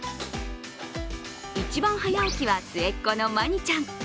一番早起きは、末っ子の稀丹ちゃん。